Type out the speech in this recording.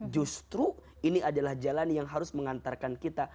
justru ini adalah jalan yang harus mengantarkan kita